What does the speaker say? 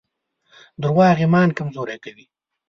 دروغ ایمان کمزوری کوي.